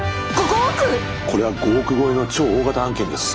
これは５億超えの超大型案件です。